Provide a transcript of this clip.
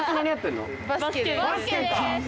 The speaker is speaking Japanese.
バスケか。